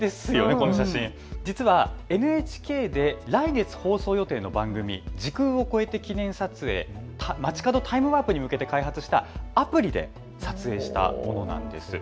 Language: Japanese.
この写真、実はＮＨＫで来月放送予定の番組、時空を超えて記念撮影まちかどタイムワープに向けて開発したアプリで撮影したものなんです。